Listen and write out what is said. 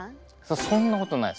そんなことないっすね。